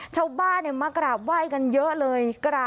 ชาวบ้านมากราบไหว้กันเยอะเลย